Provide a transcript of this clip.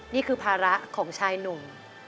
นี่คือภาระของชายหนุ่ม